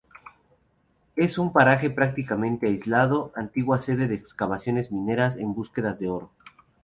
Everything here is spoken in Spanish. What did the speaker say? Es un paraje prácticamente aislado, antigua sede de excavaciones mineras en búsqueda de oro.